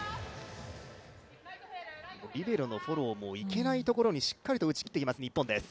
リベロのフォローも、いけないところにしっかりと打ちきってきます、日本です。